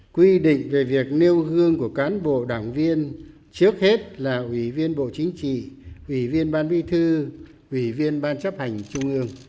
quy định về việc nêu gương của cán bộ đảng viên trước hết là ủy viên bộ chính trị ủy viên ban bí thư ủy viên ban chấp hành trung ương